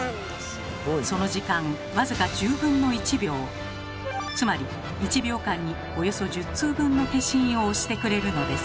その時間僅かつまり１秒間におよそ１０通分の消印を押してくれるのです。